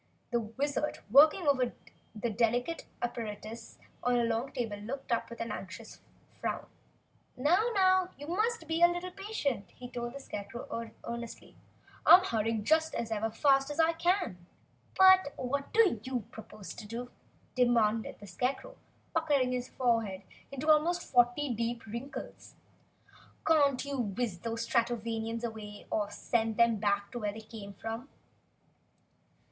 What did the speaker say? The Wizard, working over the delicate apparatus on a long table, looked up with an anxious frown. "Now, now, you must be a little patient," he told the Scarecrow, earnestly. "I'm hurrying just as fast as ever I can." "But what do you propose to do?" demanded the Scarecrow, puckering his forehead into almost forty deep wrinkles. "Can't you whiz these Stratovanians away, or send them back where they came from?"